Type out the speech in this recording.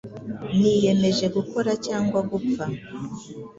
Niyemeje gukora cyangwa gupfa